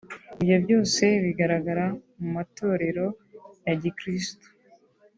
Ibyo byose bigaragara mu matorero ya Gikirisitu